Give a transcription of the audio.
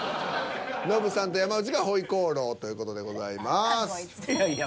ノブさんと山内が「回鍋肉」という事でございます。